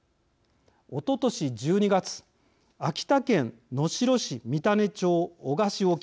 おととし１２月秋田県能代市・三種町・男鹿市沖